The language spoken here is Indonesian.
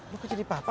lu kok jadi papa